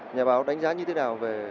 nhà báo đánh giá như thế nào về